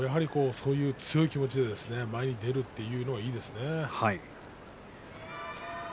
そういう強い気持ちで前に出るというのはいいですね。